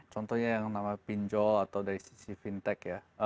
contohnya yang nama pinjol atau dari sisi fintech ya